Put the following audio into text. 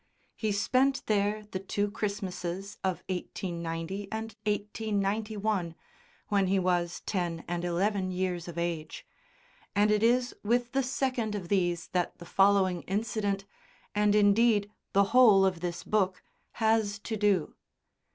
He spent there the two Christmases of 1890 and 1891 (when he was ten and eleven years of age), and it is with the second of these that the following incident, and indeed the whole of this book, has to do.